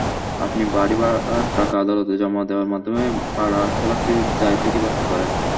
আপনি বাড়িভাড়ার টাকা আদালতে জমা দেওয়ার মাধ্যমে ভাড়াখেলাপির দায় থেকে বাঁচতে পারেন।